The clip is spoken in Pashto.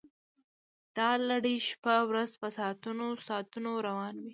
دا لړۍ شپه ورځ په ساعتونو ساعتونو روانه وي